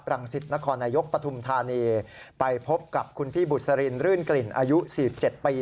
รังสิตนครนายกปฐุมธานีไปพบกับคุณพี่บุษรินรื่นกลิ่นอายุ๔๗ปี